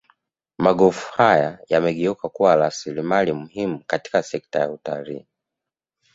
Magofu haya yamegeuka kuwa rasilimali muhimu katika sekta ya utalii